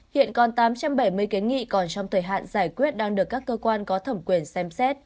hiện còn tám trăm bảy mươi kiến nghị còn trong thời hạn giải quyết đang được các cơ quan có thẩm quyền xem xét